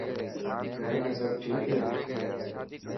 گھر ۾ سڀ ٺيڪ هي؟